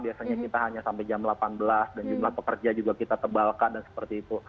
biasanya kita hanya sampai jam delapan belas dan jumlah pekerja juga kita tebalkan dan seperti itu